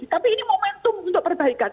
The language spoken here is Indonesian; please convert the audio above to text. tapi ini momentum untuk perbaikan